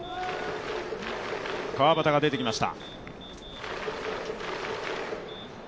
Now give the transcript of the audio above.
川端が出てきました。